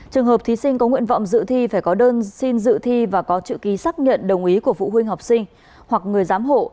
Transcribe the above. trường hợp thí sinh có nguyện vọng dự thi phải có đơn xin dự thi và có chữ ký xác nhận đồng ý của phụ huynh học sinh hoặc người giám hộ